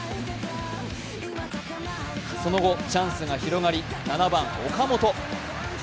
その後、チャンスが広がり７番・岡本。